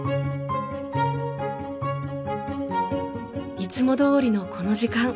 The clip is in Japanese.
いつもどおりのこの時間。